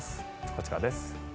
こちらです。